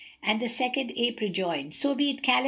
And the second ape rejoined, "So be it, O Khalif.